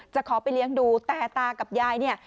ขอไปเลี้ยงดูแต่ตากับยายเนี่ย